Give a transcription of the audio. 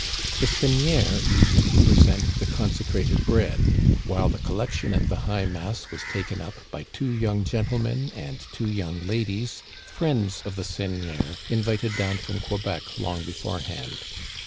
The seigneur used to present the consecrated bread ; while the collection at the high mass was taken up by two young gentlemen and two young ladies, friends of the seigneur, invited down from Quebec long beforehand.